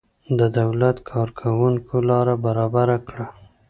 د دولت کارکوونکیو لاره برابره کړه.